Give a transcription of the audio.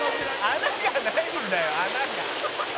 「穴がないんだよ穴が」